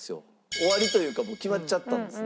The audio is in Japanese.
終わりというかもう決まっちゃったんですね